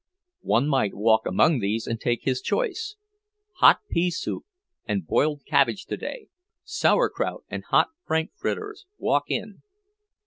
One might walk among these and take his choice: "Hot pea soup and boiled cabbage today." "Sauerkraut and hot frankfurters. Walk in."